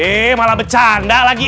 eh malah bercanda lagi